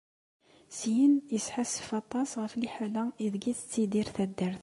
Syin, isḥassef aṭas ɣef liḥala ideg tettidir taddart.